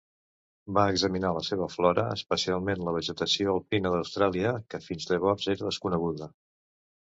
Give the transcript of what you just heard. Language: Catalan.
Va examinar la seva flora, especialment la vegetació alpina d'Austràlia, que fins llavors era desconeguda.